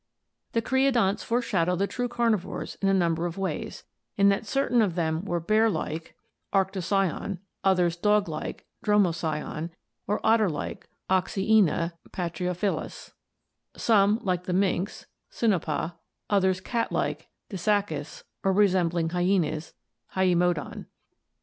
The creodonts foreshadow the true carni vores in a number of ways, in that certain of them were bear like (Arctocyon), others dog like (Dromocyon) or otter like (Oxyana, Patrio felts), some like the minks (Sinopa), others cat like (Dis sacus) or resembling hyaenas (Hycenodon).